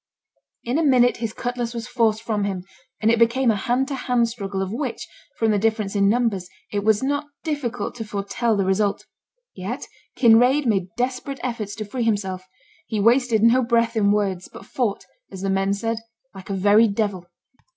In a minute his cutlass was forced from him, and it became a hand to hand struggle, of which, from the difference in numbers, it was not difficult to foretell the result. Yet Kinraid made desperate efforts to free himself; he wasted no breath in words, but fought, as the men said, 'like a very devil.'